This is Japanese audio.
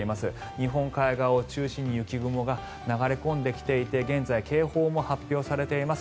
日本海側を中心に雪雲が流れ込んできていて現在、警報も発表されています。